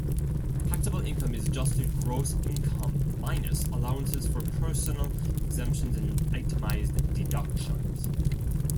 Taxable income is adjusted gross income minus allowances for personal exemptions and itemized deductions.